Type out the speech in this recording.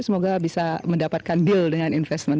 semoga bisa mendapatkan deal dengan investment